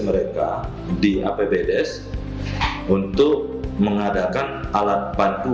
mereka di apbds untuk mengadakan alat bantu